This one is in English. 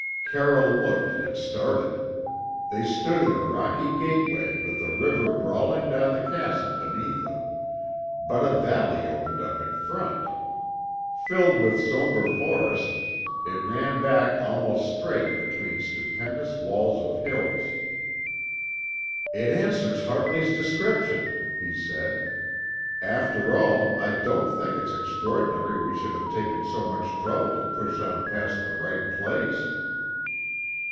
Carroll looked and started. They stood in a rocky gateway with a river brawling down the chasm beneath them; but a valley opened up in front. Filled with sombre forest, it ran back almost straight between stupendous walls of hills. "It answers Hartley's description," he said. "After all, I don't think it's extraordinary we should have taken so much trouble to push on past the right place."